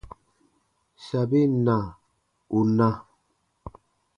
Sabin na, ù na.